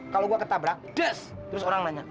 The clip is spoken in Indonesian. kalau gua ketabrak terus orang nanya